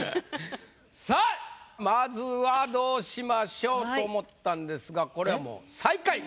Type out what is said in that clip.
さぁまずはどうしましょうと思ったんですがこれはもう最下位。